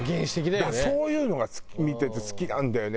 だからそういうのが見てて好きなんだよね